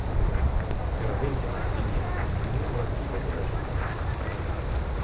Fervente mazziniano fu membro attivo della "Giovane Italia".